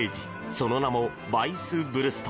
その名もヴァイスブルスト。